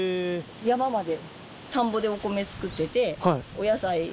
山まで。